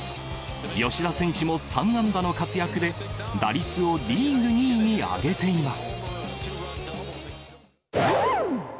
吉田選手も３安打の活躍で、打率をリーグ２位に上げています。